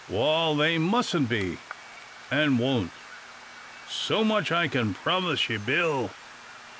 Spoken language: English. Wal, that mustn't be, and won't. So much I kin promise ye, Bill.